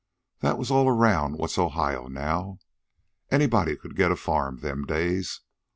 That was all around what's Ohio now. Anybody could get a farm them days.